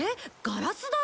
ガラス代？